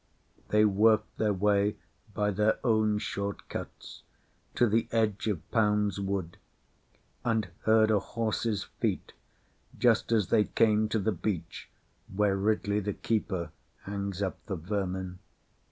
They worked their way by their own short cuts to the edge of PoundŌĆÖs Wood, and heard a horseŌĆÖs feet just as they came to the beech where Ridley the keeper hangs up the vermin.